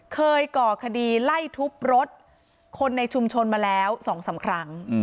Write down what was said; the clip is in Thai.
ก่อคดีไล่ทุบรถคนในชุมชนมาแล้ว๒๓ครั้ง